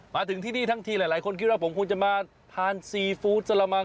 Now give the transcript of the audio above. มาถึงที่นี่ทั้งทีหลายคนคิดว่าผมคงจะมาทานซีฟู้ดสละมัง